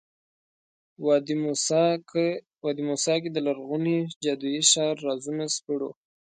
وادي موسی کې د لرغوني جادویي ښار رازونه سپړو.